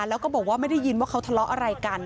แล้วก็บอกว่าไม่ได้ยินว่าเขาทะเลาะอะไรกัน